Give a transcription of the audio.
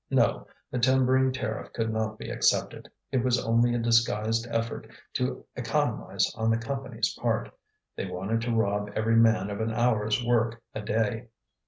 No, the timbering tariff could not be accepted; it was only a disguised effort to economize on the Company's part; they wanted to rob every man of an hour's work a day.